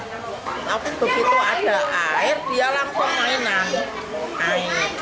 waktu itu ada air dia langsung mainan air